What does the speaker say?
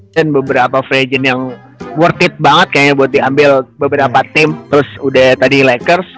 dan beberapa free agent yang worth it banget kayaknya buat diambil beberapa tim terus udah tadi rekerts